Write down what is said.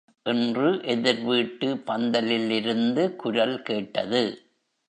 என்று எதிர் வீட்டு பந்தலிலிருந்து குரல் கேட்டது.